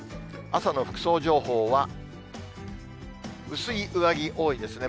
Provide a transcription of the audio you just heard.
朝の服装情報は、薄い上着、多いですね。